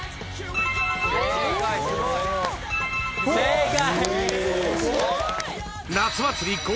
正解。